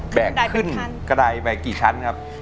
ขึ้นกระดายไปกี่ชั้นครับ